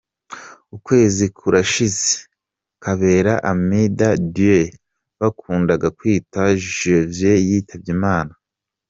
Ukwezi kurashize Kabera Ami de Dieu bakundaga kwita Joyeux yitabye Imana.